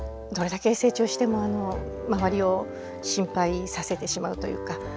どれだけ成長しても周りを心配させてしまうというか。